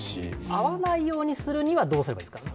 遭わないようにするにはどうすればいいですか。